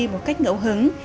một cách ngẫu hứng